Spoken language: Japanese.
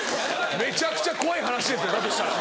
めちゃくちゃ怖い話ですよだとしたら。